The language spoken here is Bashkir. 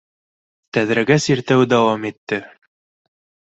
Тәҙрәгә сиртеү дауам итте.